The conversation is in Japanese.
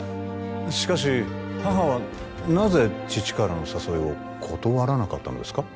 しかし母はなぜ父からの誘いを断らなかったのですか？